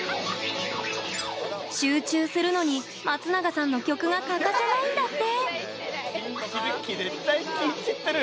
集中するのに松永さんの曲が欠かせないんだって。